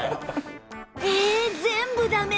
えーっ全部ダメ？